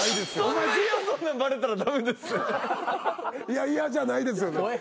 いや嫌じゃないです。